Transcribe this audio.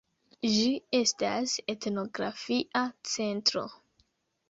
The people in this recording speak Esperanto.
Ĝi estas etnografia centro.